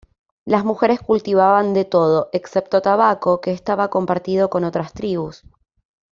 Las mujeres cultivaban de todo excepto tabaco, que estaba compartido con otras tribus.